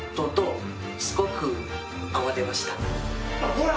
ほら！